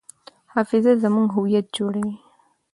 حافظه زموږ هویت جوړوي.